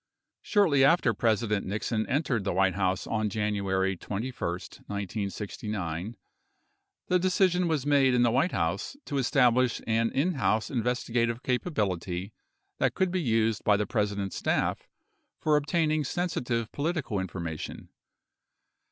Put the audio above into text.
Shortly after President Nixon entered the White House on J anuary 21, 1969, the decision was made in the White House to establish an in house investigative capability that could be used by the President's statf for obtaining sensitive political information.